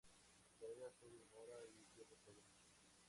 Su carrera se desmorona y pierde todo.